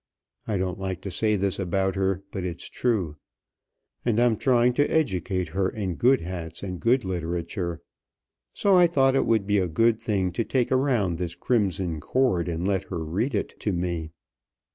I don't like to say this about her, but it's true; and I'm trying to educate her in good hats and good literature. So I thought it would be a good thing to take around this 'Crimson Cord' and let her read it to me."